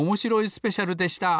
スペシャル」でした！